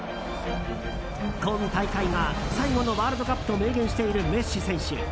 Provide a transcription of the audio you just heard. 今大会が最後のワールドカップと明言しているメッシ選手。